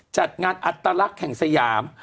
จัดงานอัตลักษณ์แห่งสยาม